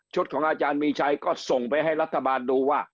ของอาจารย์มีชัยก็ส่งไปให้รัฐบาลดูว่า